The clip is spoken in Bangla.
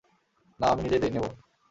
না, আমি নিজেই নেব।